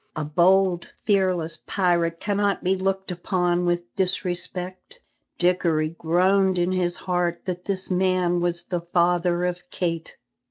A bold, fearless pirate cannot be looked upon with disrespect." Dickory groaned in his heart that this man was the father of Kate.